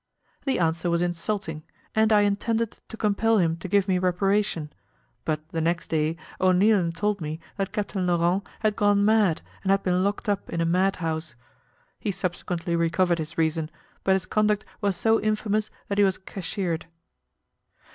The answer was insulting, and I intended to compel him to give me reparation, but the next day O'Neilan told me that Captain Laurent had gone mad and had been locked up in a mad house. He subsequently recovered his reason, but his conduct was so infamous that he was cashiered.